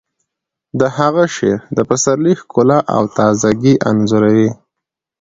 د هغه شعر د پسرلي ښکلا او تازه ګي انځوروي